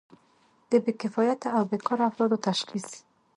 د بې کفایته او بیکاره افرادو تشخیص.